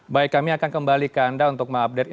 baik kami akan kembali ke anda untuk mengupdate